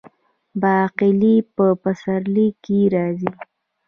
باقلي په پسرلي کې راځي.